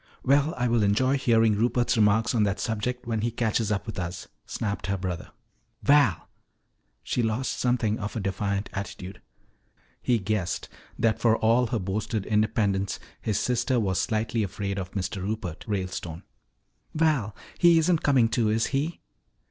Well, I will enjoy hearing Rupert's remarks on that subject when he catches up with us," snapped her brother. "Val!" She lost something of her defiant attitude. He guessed that for all her boasted independence his sister was slightly afraid of Mr. Rupert Ralestone. "Val, he isn't coming, too, is he?"